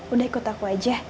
udah ikut aku aja